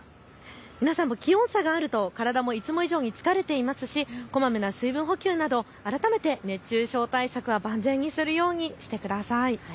皆さんも気温差があると体がいつも以上に疲れていますし、こまめな水分補給など改めて熱中症対策は万全にするようにしてください。